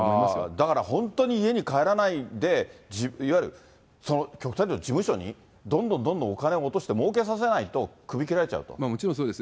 だから本当に家に帰らないで、いわゆるその極端にいうと、事務所にどんどんどんどんお金を落としてもうけさせないと、クビもちろんそうです。